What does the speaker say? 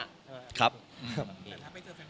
แต่ถ้าไม่เจอแฟน